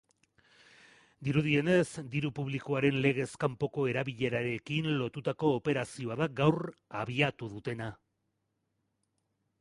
Dirudienez, diru-publikoaren legez kanpoko erabilerarekin lotutako operazioa da gaur abiatu dutena.